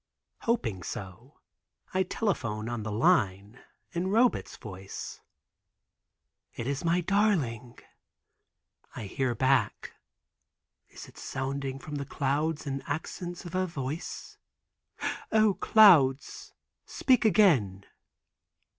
Hoping so, I telephone on the line, in Robet's voice: "It is my darling!" I hear back: "It is sounding from the clouds in accents of her voice. O, clouds, speak again."